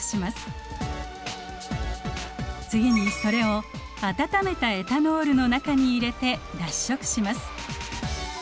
次にそれを温めたエタノールの中に入れて脱色します。